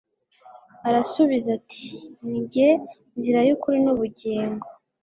arasubiza ati nige nzira yukuri nubugingo